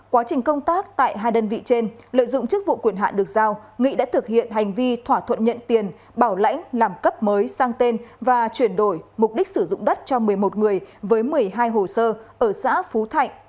quá trình công tác tại hai đơn vị trên lợi dụng chức vụ quyền hạn được giao nghị đã thực hiện hành vi thỏa thuận nhận tiền bảo lãnh làm cấp mới sang tên và chuyển đổi mục đích sử dụng đất cho một mươi một người với một mươi hai hồ sơ ở xã phú thạnh